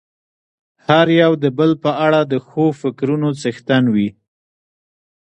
هر يو د بل په اړه د ښو فکرونو څښتن وي.